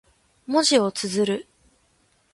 文字を綴る。